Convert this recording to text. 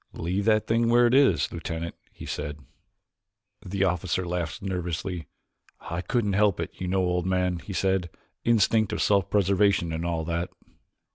"Leave that thing where it is, Lieutenant," he said. The officer laughed nervously. "I couldn't help it, you know, old man," he said; "instinct of self preservation and all that."